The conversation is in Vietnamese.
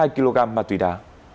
hai kg ma túy đá